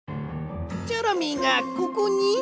チョロミーがここに？